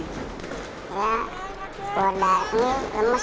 ya keluar dari sini lemes